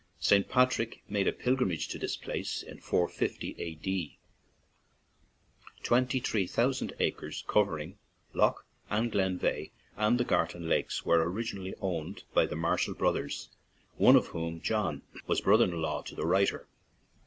St. Patrick made a pilgrimage to this place in 450 A.D. 32 DUNFANAGHY TO FALLCARRAGH Twenty three thousand acres, covering Lough and Glen Veigh and the Gartan lakes, were originally owned by the Mar shall brothers, one of whom, John, was brother in law to the writer.